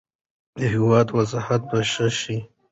د هیواد وضعیت به ښه شوی وي.